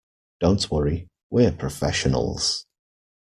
Don't worry, we're professionals.